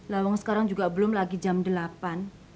lawang sekarang juga belum lagi jam delapan